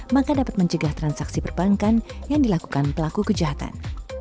maka dapat mencegah transaksi perbankan yang dilakukan pelaku kejahatan